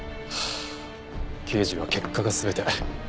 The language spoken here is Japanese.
あ刑事は結果が全て。